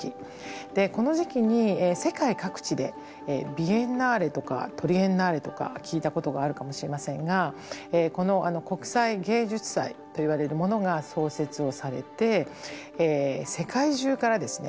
この時期に世界各地でビエンナーレとかトリエンナーレとか聞いたことがあるかもしれませんがこの国際芸術祭といわれるものが創設をされて世界中からですね